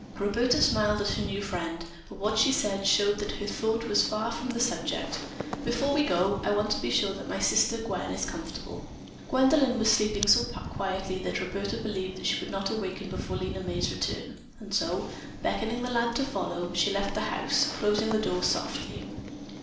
Roberta smiled at her new friend, but what she said showed that her thought was far from the subject: "Before we go, I want to be sure that my sister, Gwen, is comfortable." Gwendolyn was sleeping so quietly that Roberta believed she would not awaken before Lena May's return, and so, beckoning the lad to follow, she left the house, closing the door softly.